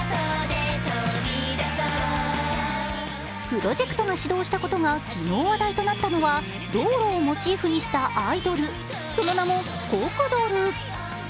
プロジェクトが始動したことが昨日話題となったのは道路をモチーフにしたアイドルその名もコクドル！